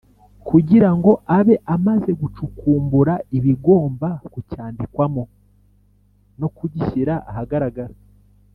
kugira ngo abe amaze gucukumbura ibigomba kucyandikwamo no kugishyira ahagaragara